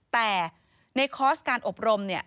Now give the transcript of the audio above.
แต่ในคอร์สการอบรม